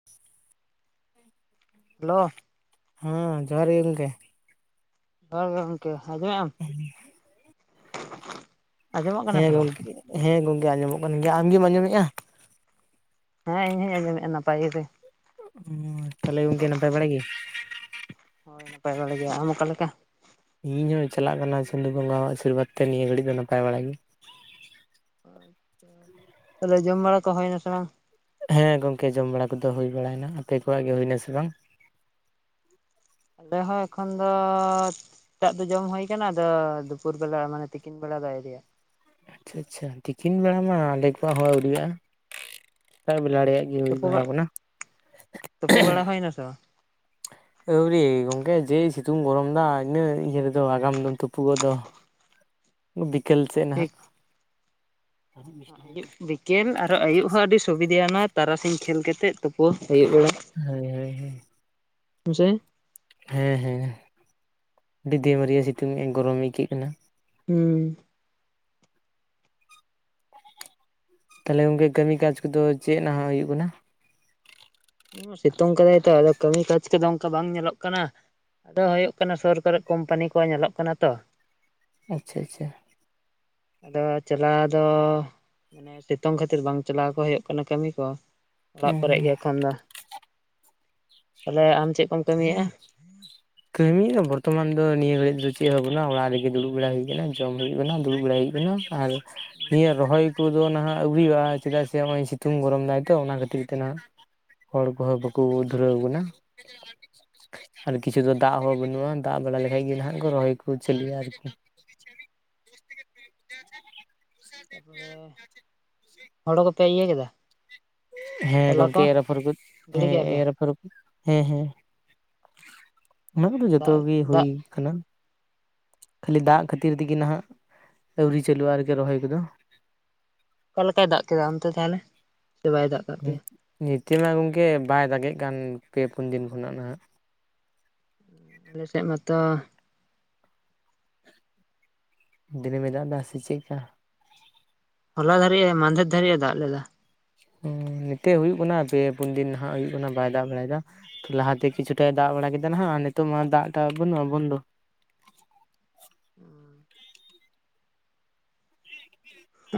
[inaudible] Hello ᱦᱮᱸ ᱡᱚᱦᱟᱨ ᱜᱮ ᱜᱚᱝᱠᱮ? ᱦᱚᱦᱟᱨ ᱜᱚᱝᱠᱮ ᱟᱡᱚᱢ ᱮᱜ ᱟᱢ? ᱟᱸᱡᱚᱢᱚᱜ ᱠᱟᱱᱟ ᱥᱮ ᱦᱮᱸ ᱵᱟᱝ ᱜᱚᱝᱠᱮᱜ ᱦᱮᱸ ᱜᱚᱝᱠᱮ ᱟᱸᱡᱚᱢᱚᱜ ᱠᱟᱱᱟ, ᱟᱢ ᱜᱮᱢ ᱟᱸᱡᱚᱢᱮᱜᱼᱟ? ᱦᱮᱸ ᱤᱧᱦᱩᱧ ᱟᱸᱡᱚᱢᱮᱜᱼᱟ ᱱᱟᱯᱟᱭ ᱜᱮᱪᱮ! ᱩᱸᱻᱭ ᱛᱟᱦᱮᱞᱮ ᱜᱚᱢᱠᱮ ᱱᱟᱯᱟᱭ ᱵᱟᱲᱟ ᱜᱮ? ᱦᱳᱭ ᱱᱟᱯᱟᱭ ᱵᱟᱲᱮ ᱜᱮ, ᱟᱸᱢ ᱚᱠᱟ ᱞᱮᱠᱟ? ᱤᱧ ᱦᱩᱸᱧ ᱪᱟᱞᱟᱜ ᱠᱟᱱᱟ ᱟᱹᱥᱩᱞᱤ ᱵᱟᱞᱟ ᱥᱚᱸᱜᱟᱛ ᱴᱷᱮᱸᱱ ᱱᱤᱭᱟᱹ ᱜᱷᱟᱹᱲᱤᱡ ᱫᱚ ᱱᱟᱯᱟᱭ ᱵᱟᱲᱟ ᱜᱮ᱾ ᱛ [inaudible] ᱛᱟᱦᱚᱞᱮ ᱡᱚᱢ ᱵᱟᱲᱟ ᱠᱚ ᱦᱳᱭ ᱮᱱᱟ ᱥᱮ ᱵᱟᱝ? ᱦᱮᱸ ᱜᱚᱝᱠᱮ ᱡᱚᱢ ᱵᱟᱲᱟ ᱠᱚᱫᱚ ᱦᱩᱭ ᱵᱟᱲᱟᱭᱮᱱᱟ, ᱟᱯᱮ ᱠᱚᱣᱟᱜ ᱜᱮ ᱦᱩᱭ ᱮᱱᱟ ᱥᱮ ᱵᱟᱝ? ᱟᱞᱮ ᱦᱚᱸ ᱮᱠᱷᱚᱱ ᱫᱚᱻᱯ ᱛᱟᱜ ᱫᱚ ᱡᱚᱢ ᱦᱩᱭ ᱠᱟᱱᱟ ᱟᱫᱚ ᱫᱩᱯᱩᱨ ᱫᱚᱞᱮ ᱢᱟᱱᱮ ᱛᱤᱠᱤᱱ ᱵᱮᱲᱟ ᱵᱟᱭ ᱤᱫᱤᱭᱟ ᱾ ᱪᱷᱟ ᱟᱪᱪᱷᱟ ᱛᱤᱠᱤᱱ ᱵᱮᱲᱟ ᱢᱟ ᱟᱞᱮ ᱠᱚᱣᱟᱜ ᱦᱚᱸ ᱟᱹᱣᱨᱤᱭᱟᱜ-ᱟ? ᱥᱮᱛᱟᱜ ᱵᱮᱞᱟ ᱲᱮᱜᱟᱜ- ᱜᱮ ᱦᱩᱭ ᱛᱩᱯᱩ ᱵᱟᱲᱟᱣ ᱠᱟᱱᱟ᱾ [inaudible] ᱦᱮᱸᱱᱟᱥᱮ ᱵᱟᱝ? ᱟᱹᱣᱨᱤ ᱜᱮ ᱜᱚᱝᱠᱮ ᱡᱟᱹᱭ ᱥᱤᱛᱩᱝ ᱜᱚᱲᱚᱢ ᱮᱫᱟ ᱤᱱᱟᱹ ᱤᱭᱟᱹ ᱫᱚ ᱟᱜᱟᱢ ᱫᱚᱢ ᱛᱩᱯᱩ ᱜᱚᱫᱚ ᱾ [inaudible] ᱵᱤᱠᱮᱞ ᱥᱮᱫ ᱱᱟᱦᱟᱸᱜ ᱾ ᱦᱟᱸᱜ ᱟᱹᱭᱩᱵ ᱵᱤᱠᱮᱞ ᱟᱨ ᱟᱹᱭᱩᱜ ᱦᱚᱸ ᱟᱹᱰᱤ ᱥᱩᱵᱤᱫᱮᱭᱮᱱᱟ ᱛᱟᱨᱟᱥᱤᱧ ᱠᱷᱮᱞ ᱠᱮᱛᱮᱫ ᱛᱩᱯᱚ, ᱟᱹᱭᱩᱵ ᱵᱮᱲᱟ᱾ ᱦᱳᱭ ᱦᱳᱭ ᱦᱳᱭ᱾ ᱡᱚᱻᱮᱱ ᱦᱮᱸ ᱦᱮᱸ ᱦᱮᱸ, ᱰᱤᱫᱤ ᱢᱤᱨᱤᱭᱟ ᱥᱤᱛᱩᱝ ᱮᱜ ᱟᱸᱧ, ᱜᱚᱨᱚᱢ ᱟᱹᱭᱠᱟᱹᱜ ᱠᱟᱱᱟ᱾ ᱦᱩᱸᱻ ᱾ ᱛᱟ ᱦᱚᱞᱮ ᱜᱚᱝᱠᱮ ᱠᱟᱹᱢᱤ ᱠᱟᱡᱽ ᱠᱚᱫᱚ ᱪᱮᱜ ᱱᱟᱦᱟᱜ ᱦᱩᱭᱩᱜ ᱠᱟᱱᱟ? ᱦᱩᱸᱻ ᱥᱤᱛᱩᱝ ᱠᱟᱫᱟᱭ ᱛᱚ ᱟᱫᱚ ᱠᱟᱹᱢᱤ ᱠᱟᱡᱽ ᱠᱚᱫᱚ ᱚᱱᱠᱟ ᱵᱟᱝ ᱧᱮᱞᱚᱜ ᱠᱟᱱᱟ, ᱟᱫᱚ ᱦᱩᱭᱩᱜ ᱠᱟᱱᱟ ᱥᱩᱨ ᱠᱚᱨᱮᱫ ᱠᱳᱢᱯᱟᱱᱤ ᱠᱚ ᱧᱮᱞᱚᱜ ᱠᱟᱱᱟ ᱛᱚ᱾ ᱟᱪᱪᱷᱟ ᱟᱪᱪᱷᱟ᱾ ᱟᱫᱚ ᱪᱟᱞᱟᱣ ᱫᱚ ᱢᱟᱱᱮ ᱥᱤᱛᱩᱝ ᱠᱷᱟᱹᱛᱤᱨ ᱵᱟᱝ ᱪᱟᱞᱟᱣ ᱠᱚ ᱦᱩᱭᱩᱜ ᱠᱟᱱᱟ ᱠᱟᱹᱢᱤ ᱠᱚ, ᱚᱲᱟᱜ ᱠᱚᱨᱮᱜ ᱜᱮ ᱮᱠᱷᱚᱱ ᱫᱚ᱾ ᱛᱟᱞᱦᱮ ᱟᱢ ᱪᱮᱫ ᱠᱚᱢ ᱠᱟᱹᱢᱤᱭᱮᱜᱼᱟ? ᱠᱟᱹᱢᱤ ᱫᱚ ᱵᱚᱨᱛᱚᱢᱟᱱ ᱫᱚ ᱱᱤᱭᱟᱹ ᱜᱷᱟᱹᱲᱤᱡ ᱫᱚ ᱪᱮᱫ ᱦᱚᱸ ᱵᱚᱱᱩᱜ-ᱟ, ᱚᱲᱟᱜ ᱨᱮ ᱜᱮ ᱫᱩᱲᱩᱵ ᱵᱟᱲᱟ ᱦᱩᱭ ᱟᱠᱟᱱᱟ ᱡᱚᱢ ᱦᱩᱭᱩᱜ ᱠᱟᱱᱟ ᱫᱩᱲᱩ ᱵᱟᱲᱟ ᱦᱩᱭᱩᱜ ᱠᱟᱱᱟ ᱟᱨ ᱱᱤᱭᱟᱹ ᱨᱚᱦᱚᱭ ᱠᱩᱫᱚ ᱱᱟᱦᱟᱜ ᱟᱹᱣᱨᱤ ᱦᱩᱭᱩᱜᱼᱟ, ᱪᱮᱫᱟᱜ ᱥᱮ ᱱᱚᱜ-ᱚᱭ ᱥᱤᱛᱩᱝ ᱜᱚᱨᱚᱢ ᱫᱟᱭ ᱛᱚ ᱚᱱᱟ ᱠᱷᱟᱹᱛᱤᱨ ᱛᱮ ᱱᱟᱦᱟᱜ ᱦᱚᱲ ᱠᱚᱦᱚᱸ ᱵᱟᱠᱩ ᱩᱫᱷᱨᱟᱣ ᱵᱚᱱᱟ, ᱠᱤᱪᱷᱩ ᱫᱚ ᱫᱟᱜ ᱦᱚᱸ ᱵᱟᱹᱱᱩᱜᱼᱟ ᱫᱟᱜ ᱵᱟᱲᱟ ᱞᱮᱠᱷᱟᱡ ᱜᱮ ᱱᱟᱦᱟᱜ ᱠᱚ ᱨᱚᱦᱚᱭ ᱠᱚ ᱪᱟᱹᱞᱩᱭᱟ ᱟᱨᱠᱤ [inaudible] ᱛᱟᱦᱚᱞᱮ ᱦᱳᱲᱳ ᱠᱚᱯᱮ ᱤᱭᱟᱹ ᱠᱮᱫᱟ? ᱦᱮᱸ ᱛᱚᱞᱟ ᱜᱚᱝᱠᱮ ᱠᱚ ᱮᱨ ᱟᱯᱷᱚᱨ ᱠᱩᱫ ᱜᱤᱲᱤ ᱦᱮᱸ ᱠᱮᱫᱼᱟ ᱯᱮ ᱮᱨ ᱟᱯᱷᱩᱨ ᱠᱩ, ᱦᱮᱸ ᱦᱮᱸ, ᱚᱱᱟ ᱠᱚᱫᱚ ᱡᱚᱛᱚ ᱫᱟᱜ ᱜᱮ ᱦᱩᱭ ᱫᱟᱜ ᱠᱟᱱᱟ, ᱠᱷᱟᱹᱞᱤ ᱫᱟᱜ ᱠᱷᱟᱹᱛᱤᱨ ᱛᱮᱜᱮ ᱱᱟᱦᱟᱜ ᱟᱹᱣᱨᱤ ᱪᱟᱹᱞᱩᱜᱼᱟ ᱟᱨᱠᱤ ᱨᱚᱦᱚᱭ ᱠᱚᱫᱚ᱾ ᱚᱠᱟ ᱞᱮᱠᱟᱭ ᱫᱟᱜ ᱠᱮᱫᱟ ᱚᱱᱛᱮ ᱛᱟᱦᱚᱞᱮ, ᱥᱮ ᱵᱟᱭ ᱫᱟᱜ ᱠᱟᱜ ᱯᱮᱭᱟ? ᱱᱤᱛᱟᱹᱜ ᱢᱟ ᱜᱚᱝᱠᱮ ᱵᱟᱭ ᱫᱟᱜᱮᱜ ᱠᱟᱱ ᱯᱮ ᱯᱩᱱ ᱫᱤᱱ ᱠᱷᱚᱱᱟᱜ ᱱᱟᱦᱟᱜ᱾ ᱟᱞᱮ ᱥᱮᱫ ᱢᱟᱛᱚ ᱫᱤᱱᱟᱹᱢᱮ ᱫᱟᱜ ᱫᱟ ᱥᱮ ᱪᱮᱫᱠᱟ? ᱦᱚᱞᱟ ᱫᱷᱟᱨᱮᱤᱡ ᱮ ᱢᱟᱫᱷᱮᱨ ᱫᱷᱟᱨᱤᱡ ᱮ ᱫᱟᱜ ᱞᱮᱫᱟ᱾ ᱦᱩᱸ, ᱱᱮᱛᱮ ᱦᱳᱭᱳᱜ ᱠᱟᱱᱟ ᱯᱮ ᱯᱩᱱ ᱫᱤᱱ ᱱᱟᱦᱟᱜ ᱦᱩᱭᱩᱜ ᱠᱟᱱᱟ ᱵᱟᱭ ᱫᱟᱜ ᱵᱟᱲᱟᱭ ᱮᱫᱟ, ᱞᱟᱦᱟᱛᱮ ᱠᱤᱪᱷᱩᱴᱟᱭ ᱫᱟᱜ ᱵᱟᱲᱟ ᱠᱮᱫᱟ ᱱᱟᱦᱟᱜ ᱱᱤᱛᱚᱜ ᱢᱟ ᱫᱟᱜ ᱴᱟᱜ ᱵᱟᱹᱱᱩᱜᱼᱟ ᱵᱚᱱᱫᱚ᱾ ᱦᱩᱸᱻ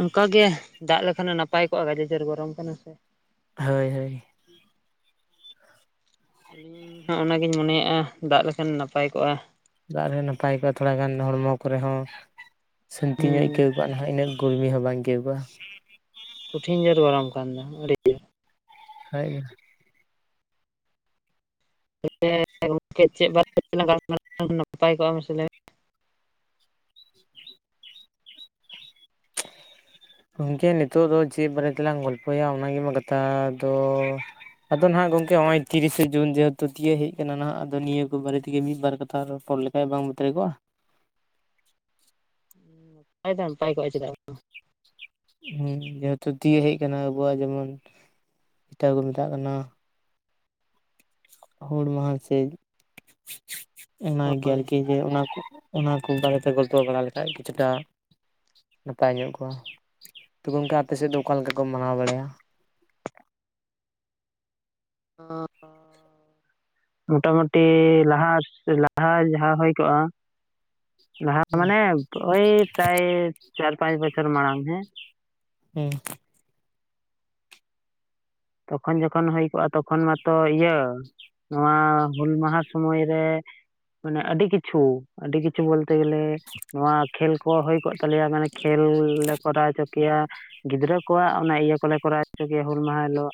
ᱚᱱᱠᱟ ᱜᱮ, ᱫᱟᱜ ᱞᱮᱠᱷᱟᱱ ᱱᱟᱯᱟᱭ ᱠᱚᱜᱼᱟ ᱜᱟᱡᱮ ᱡᱚᱨ ᱜᱚᱨᱚᱢ ᱠᱟᱱᱟ ᱥᱮ᱾ ᱦᱳᱭ ᱦᱳᱭ᱾ ᱟᱹᱞᱤᱧ ᱦᱚᱸ ᱚᱱᱟᱜᱤᱧ ᱢᱚᱱᱮᱭᱮᱜᱼᱟ ᱫᱟᱜ ᱞᱮᱠᱷᱟᱱ ᱱᱟᱯᱟᱭ ᱠᱚᱜᱼᱟ᱾ ᱫᱟᱜ ᱨᱮ ᱱᱟᱯᱟᱭ ᱠᱚᱜᱼᱟ ᱛᱷᱚᱲᱟ ᱜᱟᱱ ᱦᱚᱲᱢᱚ ᱠᱚᱨᱮ ᱦᱚᱸ ᱥᱟᱹᱱᱛᱤ ᱦᱩᱸ ᱧᱚᱜ ᱟᱹᱭᱠᱟᱹᱣ ᱠᱚᱜᱼᱟ ᱱᱟᱦᱟᱜ ᱤᱱᱟᱹᱜ ᱠᱚᱜᱮ ᱦᱚᱸ ᱵᱟᱝ ᱟᱹᱭᱠᱟᱹᱣ ᱠᱚᱜ-ᱟ᱾ ᱠᱚᱴᱷᱤᱱ ᱡᱳᱨ ᱜᱚᱨᱚᱢ ᱠᱟᱱ ᱫᱚ ᱟᱹᱰᱤ ᱡᱳᱨ᱾ [unintelligible] [unintelligible] ᱜᱚᱝᱠᱮ ᱪᱮᱜ ᱵᱟᱨᱮ ᱛᱮ ᱞᱟᱝ ᱜᱟᱞᱢᱟᱨᱟᱣ ᱞᱮᱠᱷᱟᱡ ᱱᱟᱯᱟᱭ ᱠᱚᱜᱼᱟ ᱢᱟᱥᱮ ᱞᱟᱹᱭ ᱢᱮ? ᱜᱚᱝᱠᱮ ᱱᱤᱛᱚᱜ ᱫᱚ ᱪᱮᱫ ᱵᱟᱨᱮ ᱛᱮᱞᱟᱝ ᱜᱚᱞᱯᱚᱭᱟ ᱚᱱᱟ ᱜᱮ ᱢᱟ ᱠᱟᱛᱷᱟ ᱫᱚ᱾ ᱟᱫᱚ ᱱᱟᱦᱟᱜ ᱜᱚᱝᱠᱮ ᱱᱚᱜ-ᱚᱭ ᱛᱤᱨᱤᱥᱮ ᱡᱩᱱ ᱡᱮᱦᱮᱛᱩ ᱛᱤᱭᱟᱹᱜ ᱦᱮᱡ ᱠᱟᱱᱟ ᱱᱟᱦᱟᱜ ᱟᱫᱚ ᱱᱤᱭᱟᱹ ᱠᱚ ᱵᱟᱨᱮ ᱛᱮᱜᱮ ᱢᱤᱫ ᱵᱟᱨ ᱠᱟᱛᱷᱟ ᱨᱚᱯᱚᱲ ᱞᱮ ᱠᱷᱟᱡ ᱵᱟᱝ ᱵᱟᱛᱟᱨ ᱠᱚᱜᱼᱟ? ᱢᱮ ᱱᱟᱯᱟᱭ ᱫᱚ ᱱᱟᱯᱟᱭ ᱠᱚᱜ-ᱟ ᱪᱮᱫᱟᱜ ᱵᱟᱝ᱾ ᱦᱮᱸ ᱡᱮᱦᱮᱛᱩ ᱫᱤᱭᱮ ᱦᱮᱡ ᱠᱟᱱᱟ ᱟᱵᱚᱣᱟᱜ ᱡᱮᱢᱚᱱ, ᱡᱮᱴᱟ ᱠᱚ ᱢᱮᱛᱟᱜ ᱠᱟᱱᱟ ᱦᱩᱞ ᱢᱟᱦᱟ ᱥᱮ [inaudible] ᱚᱱᱟ ᱵᱟᱝ? ᱜᱮ ᱦᱳᱭ ᱟᱨᱠᱤ ᱡᱮ ᱚᱱᱟ ᱠᱚ ᱚᱱᱟ ᱠᱚ ᱵᱟᱨᱮᱛᱮ ᱜᱚᱞᱯᱚ ᱵᱟᱲᱟ ᱞᱮᱠᱷᱟᱡ ᱠᱤᱪᱷᱩᱴᱟ ᱱᱟᱯᱟᱭ ᱧᱚᱜ ᱠᱚ, ᱛᱚᱵᱮ ᱜᱚᱝᱠᱮ ᱟᱯᱮ ᱥᱮᱫ ᱫᱚ ᱚᱠᱟ ᱞᱮᱠᱟ ᱠᱚ ᱢᱟᱱᱟᱣ ᱵᱟᱲᱟᱭᱟ? ᱟᱸᱻ ᱢᱚᱴᱟ ᱢᱩᱴᱤ ᱞᱟᱦᱟ ᱞᱟᱦᱟ ᱡᱟᱦᱟᱸ ᱦᱳᱭ ᱠᱚᱜ-ᱟ, ᱞᱟᱦᱟ ᱦᱮᱸ ᱢᱟᱱᱮ ᱳᱭ ᱯᱨᱟᱭ ᱪᱟᱨ-ᱯᱟᱸᱪ ᱵᱚᱪᱷᱚᱨ ᱢᱟᱲᱟᱝ ᱦᱮᱸ᱾ ᱦᱩᱸ᱾ ᱛᱚᱠᱷᱚᱱ ᱡᱚᱠᱷᱚᱱ ᱦᱩᱭ ᱠᱚᱜ-ᱟ ᱛᱚᱠᱷᱚᱱ ᱢᱟᱛᱚ ᱤᱭᱟᱹ ᱱᱚᱣᱟ ᱦᱩᱞ ᱢᱟᱦᱟ ᱥᱚᱢᱚᱭ ᱨᱮ ᱢᱟᱱᱮ ᱟᱹᱰᱤ ᱠᱤᱪᱷᱩ, ᱟᱹᱰᱤ ᱠᱤᱪᱷᱩ ᱵᱚᱞᱛᱮ ᱜᱮᱞᱮ ᱱᱚᱣᱟ ᱠᱷᱮᱞ ᱠᱚ ᱦᱩᱭ ᱠᱚᱜ ᱛᱟᱞᱤᱭᱟ ᱢᱟᱱᱮ ᱠᱷᱮᱞ ᱞᱮ ᱠᱚᱨᱟᱣ ᱦᱚᱪᱚ ᱠᱮᱭᱟ, ᱜᱤᱫᱽᱨᱟᱹ ᱠᱚᱣᱟᱜ ᱚᱱᱟ ᱤᱭᱟᱹ ᱠᱚᱞᱮ ᱠᱚᱨᱟᱣ ᱦᱚᱪᱚ ᱠᱮᱭᱟ ᱦᱩᱞ ᱢᱟᱦᱟ ᱦᱤᱞᱳᱜ᱾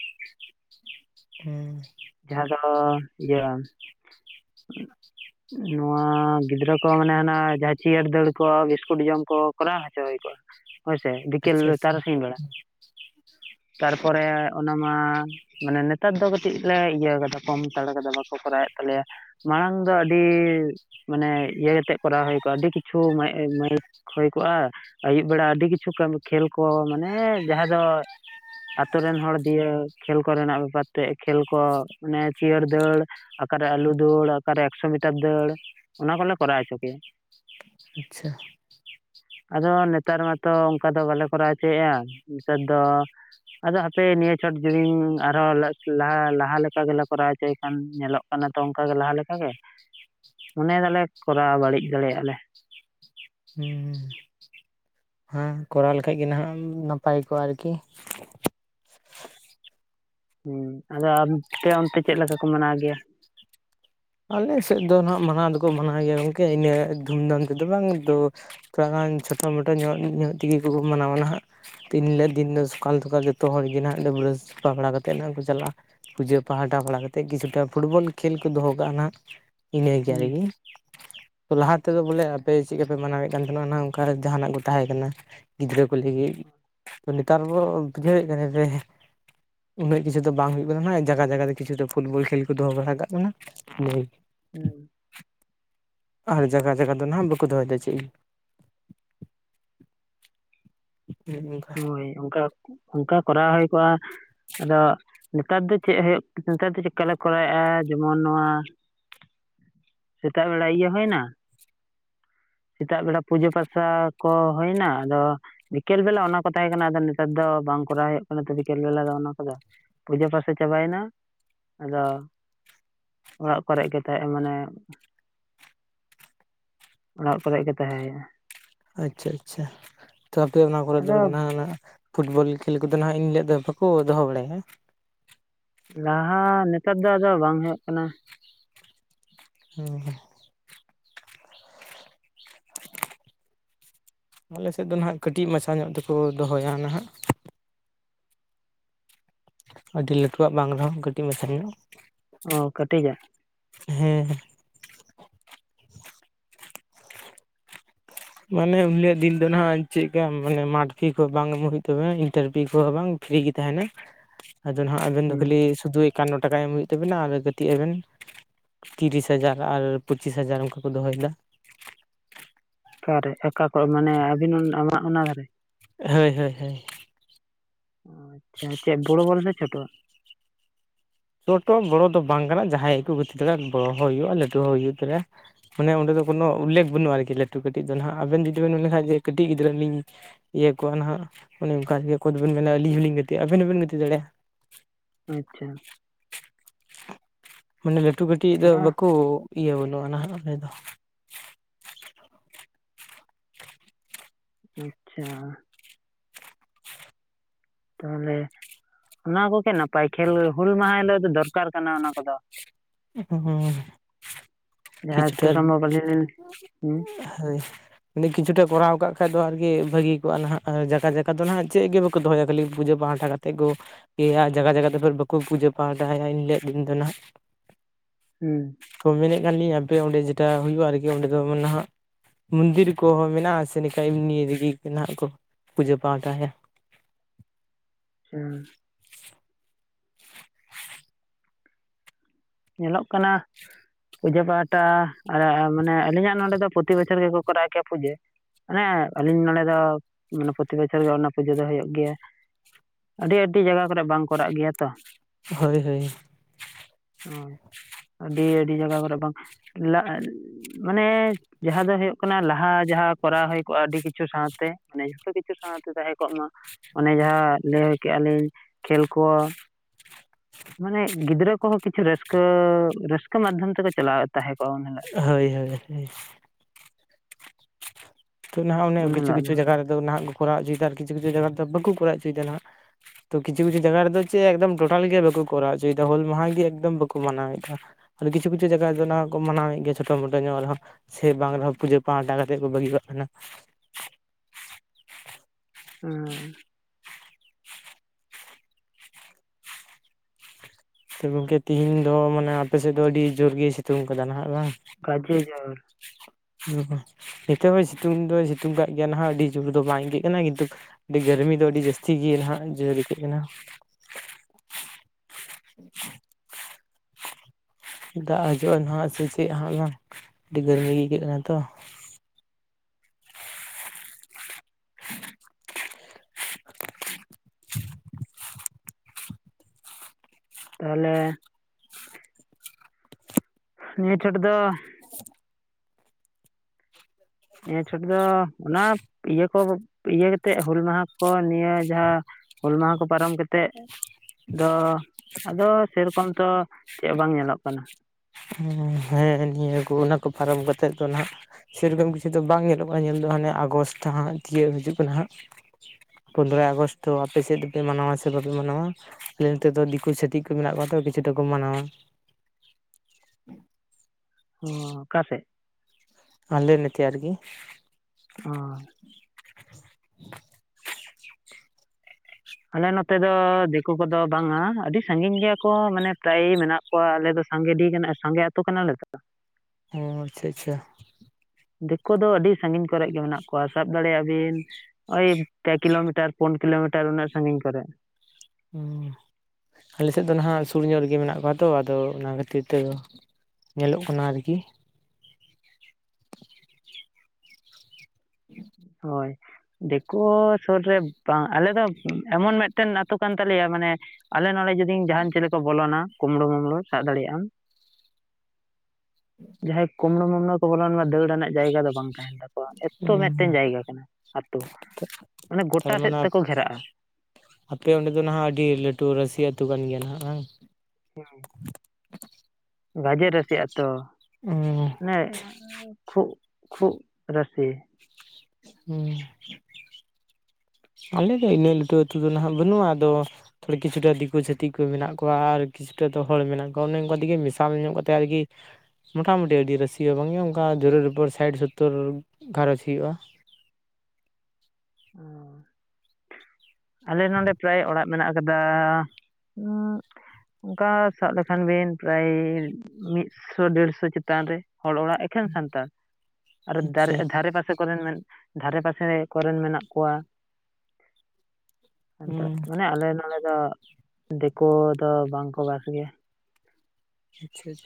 ᱦᱩᱸ᱾ ᱡᱟᱦᱟᱸ ᱫᱚ ᱤᱭᱟᱹ ᱱᱚᱣᱟ ᱜᱤᱫᱽᱨᱟᱹ ᱠᱚ ᱢᱟᱱᱮ ᱦᱟᱱᱟ ᱡᱟᱦᱟᱸ ᱪᱤᱭᱟᱹᱨ ᱫᱟᱹᱲ ᱠᱚ ᱵᱤᱥᱠᱩᱴ ᱡᱚᱢ ᱠᱚ ᱠᱚᱨᱟᱣ ᱦᱚᱪᱚ ᱦᱩᱭ ᱠᱚᱜ-ᱟ, ᱦᱳᱭ ᱥᱮ ᱵᱤᱠᱮᱞ ᱟᱪᱪᱷᱟ ᱟᱪᱪᱷᱟ ᱛᱟᱨᱟᱥᱤᱧ ᱵᱮᱲᱟ ᱛᱟᱨᱯᱚᱨᱮ ᱚᱱᱟ ᱢᱟ ᱢᱟᱱᱮ ᱱᱮᱛᱟᱨ ᱫᱚ ᱠᱟᱹᱴᱤᱡ ᱞᱮ ᱤᱭᱟᱹ ᱠᱟᱫᱟ ᱠᱚᱢ ᱦᱟᱛᱟᱲ ᱠᱟᱫᱟ ᱵᱟᱠᱚ ᱠᱚᱨᱟᱣ ᱮᱫ ᱛᱟᱞᱮᱭᱟ᱾ ᱢᱟᱲᱟᱝ ᱫᱚ ᱟᱹᱰᱤ ᱢᱟᱱᱮ ᱤᱭᱟᱹ ᱠᱟᱛᱮᱜ ᱠᱚᱨᱟᱣ ᱦᱩᱭ ᱠᱚᱜ-ᱟ ᱟᱹᱰᱤ ᱠᱤᱪᱷᱩ ᱢᱟᱹᱭ ᱢᱟᱹᱭᱤᱠ ᱦᱩᱭ ᱠᱚᱜ-ᱟ ᱟᱹᱭᱩᱵ ᱵᱮᱲᱟ ᱟᱹᱰᱤ ᱠᱤᱪᱷᱩ ᱠᱟᱹᱢ ᱠᱷᱮᱞ ᱠᱚ ᱢᱟᱱᱮ ᱡᱟᱦᱟᱸ ᱫᱚ ᱟᱛᱳ ᱨᱮᱱ ᱦᱚᱲ ᱫᱤᱭᱮ ᱠᱷᱮᱞ ᱠᱚᱨᱮᱱᱟᱜ ᱵᱮᱯᱟᱨ ᱛᱮ ᱠᱷᱮᱞ ᱠᱚ ᱚᱱᱮ ᱪᱤᱭᱟᱹᱨ ᱫᱟᱹᱲ ᱚᱠᱟᱨᱮ ᱟᱹᱞᱩ ᱫᱟᱹᱲ ᱚᱠᱟᱨᱮ ᱮᱠᱥᱚ ᱢᱤᱴᱟᱨ ᱫᱟᱹᱲ ᱚᱱᱟ ᱠᱚᱞᱮ ᱠᱚᱨᱟᱣ ᱦᱚᱪᱚ ᱠᱮᱭᱟ᱾ ᱟᱪᱪᱷᱟ᱾ ᱟᱫᱚ ᱱᱮᱛᱟᱨ ᱢᱟᱛᱚ ᱚᱱᱠᱟ ᱫᱚ ᱵᱟᱞᱮ ᱠᱚᱨᱟᱣ ᱦᱚᱪᱚᱭᱮᱫ-ᱟ, ᱱᱮᱛᱟᱨ ᱫᱚ ᱟᱫᱚ ᱟᱯᱮ ᱱᱤᱭᱟᱹ ᱪᱷᱚᱴ ᱡᱩᱫᱤᱧ ᱟᱨᱦᱚᱸ ᱞᱟᱦᱟ ᱞᱟᱦᱟ ᱞᱮᱠᱟ ᱜᱮᱞᱮ ᱠᱚᱨᱟᱣ ᱦᱚᱪᱚᱭ ᱠᱷᱟᱱ ᱧᱮᱞᱚᱜ ᱠᱟᱱᱟ ᱛᱚ ᱚᱱᱠᱟ ᱜᱮ ᱞᱟᱦᱟ ᱞᱮᱠᱟᱜᱮ᱾ ᱢᱚᱱᱮ ᱫᱟᱞᱮ ᱠᱚᱨᱟᱣ ᱵᱟᱹᱲᱤᱡ ᱫᱟᱲᱮᱭᱟᱜ-ᱟ ᱞᱮ᱾ ᱦᱩᱸᱻ ᱠᱚᱨᱟᱣ ᱞᱮᱠᱷᱟᱡ ᱜᱮ ᱱᱟᱦᱟᱜ ᱱᱟᱯᱟᱭ ᱠᱚᱜ-ᱟ ᱟᱨᱠᱤ᱾ ᱦᱮᱸ ᱟᱫᱚ ᱟᱯᱮ ᱚᱱᱛᱮ ᱪᱮᱫ ᱞᱮᱠᱟ ᱠᱚ ᱢᱟᱱᱟᱣ ᱜᱮᱭᱟ? ᱟᱞᱮ ᱥᱮᱫ ᱫᱚ ᱱᱟᱜ ᱢᱟᱱᱟᱣ ᱫᱚᱠᱚ ᱢᱟᱱᱟᱣ ᱜᱮᱭᱟ ᱜᱚᱢᱠᱮ ᱤᱱᱟᱹ ᱫᱷᱩᱢ-ᱫᱷᱟᱢ ᱛᱮᱫᱚ ᱵᱟᱝ ᱫᱚ ᱛᱷᱚᱲᱟ ᱜᱟᱱ ᱪᱷᱳᱴᱳ ᱢᱳᱴᱳ ᱧᱚᱜ ᱧᱚᱜ ᱛᱮᱜᱮ ᱠᱚ ᱢᱟᱱᱟᱣᱟ ᱱᱟᱦᱟᱜ᱾ ᱛᱤᱨᱞᱟᱹ ᱫᱤᱞᱞᱟᱹ ᱥᱚᱠᱟᱞ ᱥᱚᱠᱟᱞ ᱡᱷᱚᱛᱚ ᱦᱚᱲᱜᱮ ᱱᱟᱦᱟᱜ ᱰᱟᱹᱵᱨᱟᱹᱥ ᱥᱟᱯᱟ ᱵᱟᱲᱟ ᱠᱟᱛᱮᱫ ᱠᱚ ᱪᱟᱞᱟᱜ-ᱟ᱾ ᱯᱩᱡᱟᱹ ᱯᱟᱦᱴᱟ ᱯᱟᱲᱟ ᱠᱟᱛᱮᱫ ᱠᱤᱪᱷᱩᱴᱟ ᱯᱷᱩᱴᱵᱚᱞ ᱠᱷᱮᱞ ᱠᱚ ᱫᱚᱦᱚ ᱠᱟᱜ-ᱟ ᱱᱟᱦᱟᱸᱜ ᱤᱱᱟᱹᱜᱮ ᱦᱩᱸ ᱡᱟᱭ ᱜᱮ᱾ ᱞᱟᱦᱟ ᱛᱮᱫᱚ ᱵᱚᱞᱮ ᱟᱯᱮ ᱪᱮᱫᱠᱟᱯᱮ ᱢᱟᱱᱟᱣ ᱮᱫ ᱠᱟᱱ ᱛᱟᱦᱮᱱᱟ ᱚᱱᱟ ᱚᱱᱠᱟ ᱡᱟᱦᱟᱱᱟᱜ ᱠᱚ ᱛᱟᱦᱮᱸ ᱠᱟᱱᱟ ᱜᱤᱫᱽᱨᱟᱹ ᱠᱚ ᱞᱟᱹᱜᱤᱫ᱾ ᱛᱚ ᱱᱮᱛᱟᱨ ᱵᱚᱱ ᱵᱩᱡᱷᱟᱹᱣᱮᱫ ᱠᱟᱱᱟ ᱡᱮ ᱩᱱᱟᱹᱜ ᱠᱤᱪᱷᱩ ᱫᱚ ᱵᱟᱝ ᱦᱩᱭᱩᱜ ᱠᱟᱱᱟ ᱦᱟᱸᱜ ᱡᱟᱭ ᱡᱟᱭᱜᱟ ᱠᱤᱪᱷᱩ ᱯᱷᱩᱵᱚᱞ ᱠᱷᱮᱞ ᱠᱚ ᱫᱚᱦᱚ ᱵᱟᱲᱟ ᱠᱟᱜ ᱠᱟᱱᱟ᱾ [inaudible] [unintelligible] ᱟᱨ ᱡᱟᱜᱟ ᱡᱟᱜᱟ ᱫᱚ ᱱᱟᱦᱟᱜ ᱵᱟᱠᱚ ᱫᱚᱦᱚᱭᱮᱫᱟ ᱪᱮᱫ ᱦᱚᱸ᱾ ᱚᱱᱮ ᱚᱱᱠᱟ ᱦᱳᱭ ᱚᱱᱠᱟ ᱚᱱᱠᱟ ᱠᱚᱨᱟᱣ ᱦᱩᱭ ᱠᱚᱜ-ᱟ ᱟᱫᱚ ᱱᱮᱛᱟᱨ ᱫᱚ ᱪᱮᱫ ᱦᱩᱭᱩᱜ ᱱᱮᱛᱟᱨ ᱫᱚ ᱪᱮᱫᱠᱟᱞᱮ ᱠᱚᱨᱟᱣᱮᱫ-ᱟ ᱡᱮᱢᱚᱱ ᱱᱚᱣᱟ ᱥᱮᱛᱟᱜ ᱵᱮᱲᱟ ᱤᱭᱟᱹ ᱦᱩᱭᱮᱱᱟ ᱥᱮᱛᱟᱜ ᱵᱮᱲᱟ ᱯᱩᱡᱟᱹ ᱯᱟᱥᱟ ᱠᱚ ᱦᱩᱭᱱᱟ ᱟᱫᱚ ᱵᱤᱠᱮᱞ ᱵᱮᱞᱟ ᱚᱱᱟ ᱛᱟᱦᱮᱸ ᱠᱟᱱᱟ ᱟᱫᱚ ᱱᱮᱛᱟᱨ ᱫᱚ ᱵᱟᱝ ᱠᱚᱨᱟᱣ ᱦᱩᱭᱩᱜ ᱠᱟᱱᱟ ᱵᱤᱠᱮᱞ ᱵᱮᱞᱟ ᱫᱚ ᱚᱱᱟ ᱠᱚᱫᱚ, ᱯᱩᱡᱟᱹ ᱯᱟᱥᱮ ᱪᱟᱵᱟᱭᱮᱱᱟ ᱟᱫᱚ ᱚᱲᱟᱜ ᱠᱚᱨᱮ ᱜᱮ ᱛᱟᱦᱮᱜ ᱢᱟᱱᱮ ᱚᱲᱟᱜ ᱠᱚᱨᱮ ᱜᱮ ᱛᱟᱦᱮᱸ ᱦᱩᱭᱩᱜ-ᱟ᱾ ᱟᱪᱪᱷᱟ ᱟᱪᱪᱷᱟ ᱛᱟ ᱟᱯᱮ ᱚᱱᱟ ᱠᱚᱨᱮ ᱫᱚ ᱟᱫᱚ ᱱᱟᱣᱟᱱᱟᱜ ᱯᱷᱩᱴᱵᱚᱞ ᱠᱷᱮᱞ ᱠᱚᱫᱚ ᱱᱟᱦᱟᱜ ᱮᱱᱦᱤᱞᱳᱜ ᱫᱚ ᱵᱟᱠᱚ ᱫᱚᱦᱚ ᱵᱟᱲᱟᱭᱟ? ᱞᱟᱦᱟ ᱱᱮᱛᱟᱨ ᱫᱚ ᱟᱫᱚ ᱵᱟᱝ ᱦᱩᱭᱩᱜ ᱠᱟᱱᱟ᱾ ᱦᱩᱸᱻ ᱟᱞᱮ ᱥᱮᱫ ᱫᱚ ᱱᱟᱦᱟᱜ ᱠᱟᱹᱴᱤᱡ ᱢᱟᱪᱷᱟ ᱧᱚᱜ ᱛᱮᱠᱚ ᱫᱚᱦᱚᱭᱟ ᱱᱟᱦᱟᱜ᱾ ᱟᱹᱰᱤ ᱞᱟᱹᱴᱩᱣᱟᱜ ᱵᱟᱝ ᱨᱮᱦᱚᱸ ᱠᱟᱹᱴᱤᱡ ᱢᱟᱪᱷᱟ [unintelligible] ᱚ ᱠᱟᱹᱴᱤᱡᱟᱜ? ᱦᱮᱸᱻ ᱢᱟᱱᱮ ᱩᱱᱤᱞᱤᱭᱟᱜ ᱫᱤᱱ ᱫᱚ ᱦᱟᱜ ᱪᱮᱫ ᱞᱮᱠᱟ ᱢᱟᱱᱮ ᱢᱟᱴ ᱯᱷᱤ ᱠᱚᱚᱸ ᱵᱟᱝ ᱮᱢᱚᱜ ᱦᱩᱭᱩᱜ ᱛᱟᱵᱮᱱᱟ ᱤᱱᱴᱟᱨᱯᱷᱤ ᱠᱚᱦᱚᱸ ᱵᱟᱝ, ᱯᱷᱨᱤᱜ ᱜᱮ ᱛᱟᱦᱮᱱᱟ? ᱟᱫᱚ ᱱᱟᱦᱟᱜ ᱟᱵᱮᱱ ᱫᱚ ᱦᱩᱸ ᱠᱷᱟᱹᱞᱤ ᱥᱩᱫᱷᱩ ᱮᱠᱟᱱᱱᱚ ᱴᱟᱠᱟ ᱮᱢ ᱦᱩᱭᱩᱜ ᱛᱟᱵᱮᱱᱟ ᱜᱟᱛᱮᱜ ᱟᱵᱮᱱ ᱛᱤᱨᱤᱥ ᱦᱟᱡᱟᱨ ᱟᱨ ᱯᱚᱸᱪᱤᱥ ᱦᱟᱡᱟᱨ ᱚᱱᱠᱟ ᱠᱚ ᱫᱚᱦᱚᱭᱮᱫᱟ, ᱟᱠᱟ ᱨᱮ ᱟᱠᱟ ᱠᱚ ᱢᱟᱱᱮ ᱟᱵᱤᱱ ᱟᱢᱟᱜ ᱚᱱᱟ ᱫᱷᱟᱨᱮ? ᱦᱳᱭ ᱦᱳᱭ ᱦᱳᱭ ᱟᱪᱪᱷᱟ ᱪᱮᱫ ᱵᱚᱲᱚ ᱵᱚᱞ ᱥᱮ ᱪᱷᱳᱴᱳᱣᱟᱜ? ᱪᱚᱴᱚ ᱵᱚᱲᱚ ᱫᱚ ᱵᱟᱝ ᱠᱟᱱᱟ ᱡᱟᱦᱟᱸᱭ ᱜᱮᱠᱚ ᱜᱟᱛᱤ ᱫᱟᱲᱮᱜᱼᱟ ᱵᱚᱲᱚ ᱦᱚᱸ ᱦᱩᱭᱩᱜᱼᱟ ᱞᱟᱹᱴᱩ ᱦᱚᱸ ᱦᱩᱭᱩᱜ [unintelligible] ᱢᱟᱱᱮ ᱚᱸᱰᱮ ᱫᱚ ᱠᱚᱱᱚ ᱩᱞᱮᱠᱷ ᱵᱟᱹᱱᱩᱜᱼᱟ ᱟᱨᱠᱤ ᱞᱟᱹᱩ ᱠᱟᱹᱴᱤᱡ ᱫᱚ ᱱᱟᱦᱜ ᱟᱵᱮᱱ ᱡᱩᱫᱤ ᱵᱮᱱ ᱢᱚᱱᱮ ᱠᱷᱟ‌ᱡ ᱠᱟᱹᱴᱤᱡ ᱜᱤᱫᱽᱟᱹ ᱞᱤᱧ ᱤᱭᱟᱹ ᱠᱚᱣᱟ ᱱᱟᱦᱟᱜ ᱚᱱᱮ ᱚᱱᱠᱟ ᱜᱮ ᱚᱠᱚᱭ ᱫᱚᱵᱮᱱ ᱢᱮᱱᱟ ᱟᱹᱞᱤᱧ ᱦᱚᱞᱤᱧ ᱜᱟᱛᱮᱜᱼᱟ, ᱟᱵᱮᱱ ᱦᱚᱸ ᱵᱮᱱ ᱜᱟᱛᱮ ᱫᱟᱲᱮᱭᱟᱜᱼᱟ ᱾ ᱟᱪᱪᱷᱟ ᱢᱟᱱᱮ ᱞᱟᱹᱴᱩ ᱠᱟᱹᱴᱤᱡ ᱫᱚ ᱚᱱᱟ ᱵᱟᱠᱚ ᱤᱭᱟᱹ ᱵᱟᱹᱱᱩᱜᱼᱟ ᱱᱟᱦᱟᱜ ᱟᱞᱮ ᱫᱚ ᱾ ᱟᱪᱪᱷᱟ ᱛᱟᱦᱚᱞᱮ ᱚᱱᱟ ᱠᱚᱜᱮ ᱱᱟᱯᱟᱭ ᱠᱷᱮᱞ ᱦᱩᱞ ᱢᱟᱦᱟ ᱦᱤᱞᱳᱜ ᱫᱚ ᱫᱚᱨᱠᱟᱨ ᱠᱟᱱᱟ ᱚᱱᱟ ᱠᱚᱫᱚ ᱾ ᱦᱩᱸ ᱾ [inaudible] ᱡᱟᱦᱟᱸ ᱠᱤᱪᱷᱩ ᱛᱤᱥ ᱴᱟᱜ ᱥᱚᱢᱵᱷᱚᱵ ᱟᱹᱞᱤᱧ ᱞᱤᱧ ᱦᱩᱸ [inaudible] ᱦᱚᱭ ᱾ ᱠᱤᱪᱷᱩᱴᱟ ᱠᱚᱨᱟᱣ ᱠᱟᱜ ᱠᱷᱟᱡ ᱫᱚ ᱟᱨᱠᱤ ᱵᱷᱟᱹᱜᱤ ᱠᱚᱜᱼᱟ ᱱᱟᱦᱟᱜ ᱟᱨ ᱡᱟᱠᱟᱼ ᱡᱟᱠᱟ ᱫᱚ ᱱᱟᱦᱟᱜ ᱪᱮᱜ ᱜᱮ ᱵᱟᱠᱚ ᱫᱚᱦᱚᱭᱟ ᱠᱷᱟᱹᱞᱤ ᱯᱩᱡᱟᱹ ᱯᱟᱦᱴᱟ ᱛᱮᱠᱚ ᱤᱭᱟᱹᱭᱟ ᱡᱟᱭᱜᱟ ᱡᱟᱭᱜᱟ ᱛᱮᱫᱚ ᱵᱟᱠᱚ ᱯᱩᱡᱟᱹ ᱯᱟᱴ ᱫᱟᱲᱮᱭᱟᱜ-ᱟ ᱮᱱᱦᱤᱞᱳᱜ ᱫᱤᱱ ᱫᱚ ᱱᱟᱦᱟᱜ ᱾ ᱦᱩᱸ ᱛᱚ ᱢᱮᱱᱮᱫ ᱠᱟᱱ ᱞᱤᱧ ᱟᱯᱮ ᱚᱸᱰᱮ ᱡᱮᱴᱟ ᱦᱩᱭᱩᱜᱼᱟ ᱟᱨᱠᱤ ᱚᱸᱰᱮ ᱫᱚ ᱢᱟᱱᱮ ᱱᱟᱦᱟᱜᱼᱼ ᱢᱚᱱᱫᱤᱨ ᱠᱚ ᱢᱮᱱᱟᱜᱼᱟ ᱥᱮ ᱱᱮᱠᱟ ᱮᱢᱱᱤ ᱨᱮᱜᱮ ᱱᱟᱦᱟᱜ ᱠᱚ ᱯᱩᱡᱟᱹ ᱯᱟᱦᱴᱟᱭᱟ? ᱦᱩᱸ ᱧᱮᱞᱚᱜ ᱠᱟᱱᱟ ᱯᱩᱡᱟᱹ ᱯᱟᱦᱴᱟ ᱟᱨ ᱢᱟᱱᱮ ᱟᱹᱞᱤᱧᱟᱜ ᱱᱚᱰᱮ ᱫᱚ ᱯᱨᱚᱛᱤ ᱵᱚᱪᱷᱚᱨ ᱜᱮᱠᱚ ᱠᱚᱨᱟᱣ ᱜᱮᱭᱟ ᱯᱩᱡᱟᱹ ᱢᱟᱱᱮ ᱟᱹᱞᱤᱧ ᱱᱚᱰᱮ ᱫᱚ ᱢᱟᱱᱮ ᱯᱨᱚᱛᱤ ᱵᱚᱪᱷᱚᱨ ᱜᱮ ᱚᱱᱟ ᱯᱩᱡᱟᱹ ᱫᱚ ᱦᱩᱭᱩᱜ ᱜᱮᱭᱟ ᱾ ᱟᱹᱰᱤ ᱟᱹᱰᱤ ᱡᱟᱭᱜᱟ ᱠᱚᱨᱮ ᱵᱟᱝ ᱠᱚᱨᱟᱜ ᱜᱮᱭᱟ ᱛᱚ ᱾ ᱦᱳᱭ ᱦᱳᱭ ᱦᱳ ᱟᱹᱰᱤ ᱟᱹᱰᱤ ᱡᱟᱭᱜᱟ ᱠᱚᱨᱮ ᱵᱟᱝ‌ ᱞᱟ ᱢᱟᱱᱮ ᱡᱟᱦᱟᱸ ᱫᱚ ᱦᱳᱭᱳᱜ ᱠᱟᱱᱟ ᱞᱟᱦᱟ ᱡᱟᱦᱟᱸ ᱠᱚᱨᱟᱣ ᱦᱩᱭ ᱠᱚᱜᱼᱟ ᱟᱹᱰᱤ ᱠᱤᱪᱷᱩ ᱥᱟᱶᱛᱮ ᱢᱟᱱᱮ ᱡᱷᱚᱛᱚ ᱠᱤᱪᱷᱩ ᱥᱟᱶᱛᱮ ᱛᱟᱦᱮᱸ ᱠᱚᱜ ᱢᱟ ᱾ ᱚᱱᱮ ᱡᱟᱦᱟᱸ ᱞᱟᱹᱭ ᱦᱩᱭ ᱠᱮᱜᱼᱟ ᱞᱤᱧ ᱠᱷᱮᱞ ᱠᱚ, ᱢᱟᱱᱮ ᱜᱤᱫᱽᱨᱟᱹ ᱠᱚ ᱠᱤᱪᱷᱩ ᱨᱟᱹᱥᱠᱟᱹ - ᱨᱟᱹᱥᱠᱟᱹ ᱢᱟᱫᱽᱫᱷᱚᱢ ᱛᱮᱠᱚ ᱪᱟᱞᱟᱣᱮᱫ ᱛᱟᱦᱮᱸ ᱠᱚᱜᱼᱟ ᱩᱱ ᱦᱤᱞᱳᱜ ᱾ ᱦᱳᱭ ᱦᱳᱭ ᱦᱳᱭ ᱛᱳ ᱱᱟᱦᱟᱜ ᱚᱱᱮ ᱩᱱ ᱠᱤᱪᱷᱩ ᱦᱤᱞᱳᱜ ᱠᱤᱪᱩ ᱫᱚ ᱡᱟᱜᱟ ᱨᱮᱫᱚ ᱱᱟᱦᱟᱜ ᱠᱚᱨᱟᱣ ᱦᱚᱪᱮᱫᱟ ᱠᱤᱪᱷᱩᱤᱪᱷᱩ ᱡᱟᱜᱟ ᱨᱮᱫᱚ ᱵᱟᱠᱩ ᱠᱚᱨᱟᱣ ᱦᱚᱪᱚᱭᱟᱦᱟᱜ᱾ ᱛᱚ ᱠᱤᱪᱷᱩ ᱠᱤᱪᱷᱩ ᱡᱟᱜᱟ ᱨᱮᱫᱚ ᱪᱮ ᱮᱠ ᱫᱚᱢ ᱴᱳᱴᱟᱞ ᱜᱮ ᱵᱟᱠᱚ ᱠᱚᱨᱟᱣ ᱦᱚᱪᱚᱭᱮᱫᱟ ᱦᱩᱞ ᱢᱟᱦᱟ ᱜᱮ ᱮᱠᱫᱚᱢ ᱵᱟᱠᱚ ᱢᱟᱱᱟᱣᱮᱫᱟ ᱾ ᱟᱨ ᱠᱤᱪᱷᱩ ᱠᱤᱪᱷᱩ ᱡᱟᱭᱜᱟ ᱫᱚ ᱱᱟᱦᱟᱜ ᱠᱚ ᱢᱟᱱᱟᱣᱮᱫ ᱜᱮᱭᱟ ᱪᱷᱚᱴᱳ ᱢᱳᱴᱳ ᱧᱚᱜ ᱨᱮ ᱦᱚᱸ, ᱥᱮ ᱵᱟᱝ ᱨᱮᱦᱚᱸ ᱯᱩᱡᱟᱹ ᱯᱟᱦᱴᱟ ᱠᱟᱛᱮᱫ ᱠᱚ ᱵᱟᱹᱜᱤ ᱠᱟᱜ ᱠᱟᱱᱟ ᱾ ᱦᱩᱸ ᱛᱚ ᱜᱚᱝᱠᱮ ᱛᱤᱦᱤᱧ ᱫᱚ ᱢᱟᱱᱮ ᱟᱯᱮ ᱥᱮᱫ ᱫᱚ ᱟᱹᱰᱤ ᱡᱳᱨ ᱜᱮᱭ ᱥᱤᱛᱩᱝ ᱠᱟᱫᱟ ᱱᱟᱦᱟᱜ ᱵᱟᱝ? ᱜᱟᱡᱮ ᱡᱳᱨ ᱾ ᱦᱩ ᱱᱤᱛᱳᱜ ᱦᱚᱸ ᱥᱤᱛᱩᱝ ᱫᱚ ᱥᱤᱛᱩᱝ ᱠᱟᱜ ᱜᱮᱭᱟ ᱱᱟᱦᱟᱜ ᱟᱹᱰᱤ ᱡᱳᱨ ᱫᱚ ᱵᱟᱝᱜᱮ [unintelligible] ᱟᱹᱰᱤ ᱜᱟᱨᱢᱤ ᱫᱚ ᱟᱹᱰᱤ ᱡᱟᱹᱥᱛᱤ ᱜᱮ ᱱᱟᱦᱟᱜ ᱡᱳᱨ ᱟᱹᱭᱠᱟᱹᱜ ᱠᱟᱱᱟ ᱾ ᱫᱟᱜ ᱦᱤᱡᱩᱜᱼᱟ ᱱᱟᱦᱟᱜ ᱥᱮ ᱪᱮᱫ ᱦᱟᱜ ᱵᱟᱝ ᱟᱹᱰᱤ ᱜᱟᱨᱢᱤ ᱜᱮ ᱟᱹᱭᱠᱟᱹᱜ ᱠᱟᱱᱟ ᱛᱚ ᱾ ᱛᱟᱦᱚᱞᱮ ᱱᱤᱭᱟᱹ ᱪᱷᱚᱴ ᱫᱚ ᱱᱤᱭᱟᱹ ᱪᱷᱚᱴ ᱫᱚ ᱚᱱᱟ ᱤᱭᱟᱹ ᱠᱚ ᱤᱭᱟᱹ ᱠᱟᱛᱮᱫ ᱦᱩᱞ ᱢᱟᱦᱟ ᱠᱚ ᱱᱤᱭᱟᱹ ᱡᱟᱦᱟᱸ ᱦᱩᱞ ᱢᱟᱦᱟ ᱠᱚ ᱯᱟᱨᱚᱢ ᱠᱟᱛᱮ ᱟᱫᱚ ᱟᱫᱚ ᱥᱮᱨᱚᱠᱚᱢ ᱛᱚ ᱪᱮᱫ ᱦᱚᱸ ᱵᱟᱝ ᱧᱮᱞᱚᱜ ᱠᱟᱱᱟ ᱾ ᱦᱮᱸ ᱱᱤᱭᱟᱹ ᱠᱚ ᱚᱱᱟᱠᱚ ᱯᱟᱨᱚᱢ ᱠᱟᱛᱮᱫ ᱫᱚ ᱱᱟᱦᱟᱜ ᱥᱮᱨᱚᱠᱚᱢ ᱵᱮᱥᱤ ᱫᱚ ᱵᱟᱝ ᱧᱮᱞᱚᱜᱚᱜ-ᱟ ᱧᱮᱞ ᱫᱚ ᱦᱟᱱᱮ ᱟᱜᱚᱥᱴ ᱦᱟᱸᱜ ᱛᱤᱭᱟᱹᱜ ᱦᱤᱡᱩᱜ ᱠᱟᱱᱟ ᱦᱟᱸᱜ ᱾ ᱯᱚᱸᱫᱽᱨᱚᱭ ᱟᱜᱚᱥᱴ ᱫᱚ ᱟᱯᱮ ᱥᱮᱫ ᱫᱚᱯᱮ ᱢᱟᱱᱟᱣᱟ ᱥᱮ ᱵᱟᱯᱮ ᱢᱟᱱᱟᱣᱟ? ᱟᱞᱮ ᱱᱚᱛᱮ ᱫᱚ ᱫᱤᱠᱩ ᱪᱷᱟᱹᱛᱤᱠ ᱠᱚ ᱢᱮᱱᱟᱜ ᱠᱚᱣᱟ ᱛᱚ ᱠᱤᱪᱷᱩᱴᱟ ᱠᱚ ᱢᱟᱱᱟᱣᱟ ᱾ [inaudible] ᱚ ᱚᱠᱟᱥᱮᱜ? ᱟᱞᱮ ᱱᱮᱚᱮ ᱟᱨᱜᱤ ᱾ [unintelligible] ᱟᱞᱮ ᱱᱚᱛᱮ ᱫᱚ ᱫᱤᱠᱳ ᱠᱚᱫᱚ ᱵᱟᱝᱟ ᱟᱹᱰᱤ ᱥᱟᱺᱜᱤᱧ ᱜᱮᱭᱟ ᱠᱚ ᱢᱟᱱᱮ ᱯᱨᱟᱭ ᱢᱮᱱᱟᱜ ᱠᱚᱣᱟ ᱟᱞᱮ ᱫᱚ ᱥᱟᱝᱜᱮᱰᱤ ᱠᱟᱱᱟ ᱥᱟᱝᱜᱮ ᱟᱹᱛᱩ ᱠᱟᱱᱟᱞᱮ ᱛᱚ ᱾ ᱚ ᱟᱪᱪᱷᱟ ᱟᱪᱪᱷᱟ ᱫᱮᱠᱳ ᱫᱚ ᱟᱹᱰᱤ ᱥᱟᱺᱜᱤᱧ ᱠᱚᱨᱮ ᱜᱮ ᱢᱮᱱᱟᱜ ᱠᱚᱣᱟ ᱥᱟᱵ ᱫᱟᱲᱮᱭᱟᱜᱼᱟ ᱵᱤᱱᱼ ᱳᱭ ᱯᱮ ᱠᱤᱞᱳᱢᱤᱴᱟᱨ ᱯᱳᱱ ᱠᱤᱞᱳᱢᱤᱴᱟᱨ ᱩᱱᱟᱹᱜ ᱥᱟᱺᱜᱤᱧ ᱠᱚᱨᱮ᱾ ᱚ ᱟᱞᱮ ᱥᱮᱫ ᱫᱚ ᱱᱟᱦᱟᱜ ᱥᱩᱨ ᱧᱚᱜ ᱨᱮᱜᱮ ᱢᱮᱱᱟᱜ ᱠᱚᱣᱟ ᱛᱚ ᱟᱫᱚ ᱚᱱᱟ ᱠᱷᱟᱹᱛᱤᱨ ᱛᱮᱠᱚ ᱧᱮᱞᱚᱜ ᱠᱟᱱᱟ ᱟᱨᱠᱤ ᱦᱳᱭ ᱫᱤᱠᱳ ᱥᱳᱨ ᱨᱮ ᱵᱟᱝ ᱟᱞᱮ ᱫᱚ ᱮᱢᱚᱱ ᱢᱮᱫᱴᱮᱱ ᱟ ᱟᱛᱳ ᱠᱟᱱ ᱛᱟᱞᱮᱭᱟ ᱢᱟᱱᱮ ᱟᱞᱮ ᱱᱚᱸᱰᱮ ᱡᱩᱫᱤ ᱡᱟᱦᱟᱱ ᱪᱮᱞᱮᱠᱟ ᱠᱚ ᱵᱚᱞᱚᱱᱟ ᱠᱳᱢᱵᱽᱲᱳ ᱢᱳᱢᱵᱽᱲᱳ ᱥᱟᱵ ᱫᱟᱲᱮᱭᱟᱜᱼᱟᱢ ᱡᱟᱦᱟᱸᱭ ᱠᱳᱢᱰᱽᱲᱳ ᱢᱳᱢᱵᱽᱲᱳ ᱠᱚ ᱵᱚᱞᱚᱱ ᱢᱟ ᱫᱟᱹᱲ ᱟᱱᱟᱜ ᱡᱟᱭᱜᱟ ᱫᱚ ᱵᱟᱝ ᱛᱟᱦᱮᱱ ᱛᱟᱠᱚᱣᱟ ᱮᱛᱚ ᱢᱮᱫ ᱢᱤᱫᱴᱮᱱ ᱡᱟᱭᱜᱟ ᱠᱟᱱᱟ ᱟᱛᱳ ᱢᱟᱱᱮ ᱜᱚᱴᱟ ᱥᱮᱫ ᱛᱟᱨᱢᱟᱱᱮ ᱛᱮᱠᱚ ᱜᱷᱮᱨᱟᱜᱼᱟ᱾ ᱟᱯᱮ ᱚᱸᱰᱮ ᱫᱚ ᱱᱟᱦᱟᱜ ᱟᱹᱰᱤ ᱞᱟᱹᱴᱩ ᱨᱟᱹᱥᱤ ᱟᱹᱛᱩ ᱠᱟᱱ ᱜᱮᱭᱟ ᱱᱟᱦᱟᱜ ᱵᱟᱝ? ᱦᱢ ᱜᱟᱡᱮ ᱨᱟᱹᱥᱤ ᱟᱛᱳ ᱢᱟᱱᱟ ᱠᱷᱩᱵ ᱠᱷᱩᱵ ᱨᱟᱹᱥᱤ ᱦᱢ ᱟᱞᱮ ᱫᱚ ᱤᱱᱟᱹᱜ ᱞᱟᱹᱴᱩ ᱟᱹᱛᱩ ᱫᱚ ᱱᱟᱦᱟᱜ ᱵᱟᱹᱱᱩᱜᱼᱟ ᱟᱫᱚ ᱛᱷᱚᱲᱤ ᱠᱤᱪᱷᱩᱴᱟ ᱫᱤᱠᱩ ᱪᱷᱟᱛᱤᱠ ᱠᱚ ᱢᱮᱱᱟᱜ ᱠᱚᱣᱟ ᱟᱨᱠᱤ [inaudible] ᱫᱚ ᱦᱚᱲ ᱢᱮᱱᱟᱜ ᱠᱚᱣᱟ ᱚᱱᱮ ᱚᱱᱠᱟ ᱛᱮᱜᱮ ᱢᱮᱥᱟᱞ ᱧᱚᱜ ᱠᱟᱛᱮᱫ ᱟᱨᱠᱤ ᱢᱚᱴᱟ-ᱢᱩᱴᱤ ᱟᱹᱰᱤ ᱨᱟᱹᱥᱤ ᱦᱚᱸ ᱵᱟᱝ ᱜᱮ ᱚᱱᱠᱟ ᱡᱳᱨᱮᱨ ᱩᱯᱚᱨ ᱥᱟᱤᱭᱴ ᱥᱳᱛᱛᱳᱨ ᱜᱷᱟᱨᱚᱸᱧᱡᱽ ᱦᱩᱭᱩᱜᱼᱟ [unintelligible] ᱟᱞᱮ ᱱᱚᱰᱮ ᱯᱨᱟᱭ ᱚᱲᱟᱜ ᱢᱮᱱᱟᱜ ᱟᱠᱟᱫᱟᱼ ᱚᱱᱠᱟ ᱥᱟᱵ ᱞᱮᱠᱷᱟᱱ ᱵᱤᱱ ᱯᱨᱟᱭ ᱢᱤᱫᱥᱚ ᱰᱮᱲᱥᱚ ᱪᱮᱛᱟᱱ ᱨᱮ ᱦᱚᱲ ᱚᱲᱟᱜ ᱮᱠᱷᱮᱱ ᱥᱟᱱᱛᱟᱲ ᱟᱨ ᱫᱟᱨᱮ ᱟᱪᱪᱷᱟ ᱫᱷᱟᱨᱮ ᱯᱟᱥᱮ ᱠᱚᱨᱮᱱ ᱢᱮᱱ ᱫᱷᱟᱨᱮ ᱯᱟᱥᱮ ᱨᱮ ᱠᱚᱨᱮᱱ ᱢᱮᱱᱟᱜᱼ ᱠᱚᱣᱟ ᱟᱫᱚ ᱦᱩᱸ ᱢᱟᱱᱮ ᱟᱞᱮ ᱱᱚᱲᱮ ᱫᱚ ᱫᱮᱠᱳ ᱫᱚ ᱵᱟᱝᱠᱚ ᱵᱟᱥ ᱜᱮᱭᱟ᱾ ᱟᱪᱪᱷᱟ ᱟᱪᱪᱷᱟ